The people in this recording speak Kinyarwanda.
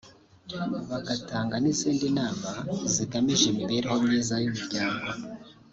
bagatanga n’izindi nama zigamije imibereho myiza y’umuryango